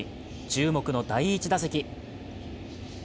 注目の第１打席。